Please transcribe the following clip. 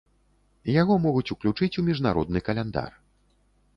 Яго могуць уключыць у міжнародны каляндар.